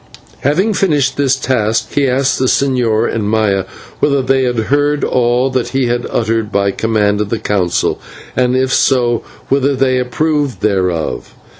Having finished his task, he asked the señor and Maya whether they had heard all that he had read by command of the Council, and, if so, whether they approved thereof.